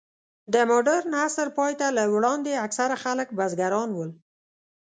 د مډرن عصر پای ته له وړاندې، اکثره خلک بزګران ول.